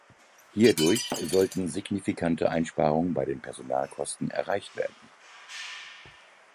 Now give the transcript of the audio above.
Hierdurch sollten signifikante Einsparungen bei den Personalkosten erreicht werden.